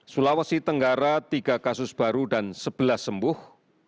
sulawesi tenggara tiga kasus baru dan sebelas sembuh